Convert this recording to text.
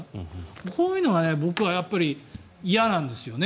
こういうのが僕はやっぱり嫌なんですよね。